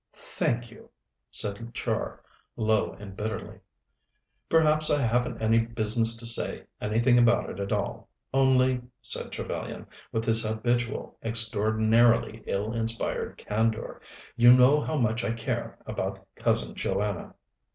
"Thank you," said Char, low and bitterly. "Perhaps I haven't any business to say anything about it at all. Only," said Trevellyan, with his habitual extraordinarily ill inspired candour, "you know how much I care about Cousin Joanna."